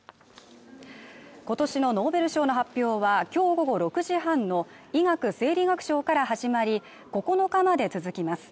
今年のノーベル賞の発表は今日午後６時半の医学生理学賞から始まり、９日まで続きます。